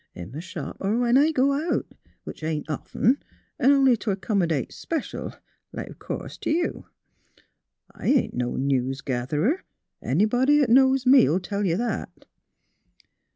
" In m' shop, or when I go out — which ain't often, an' only t' accomydate special, like of course t' you. I ain't no news getherer. Anybody 'at knows me '11 tell you that."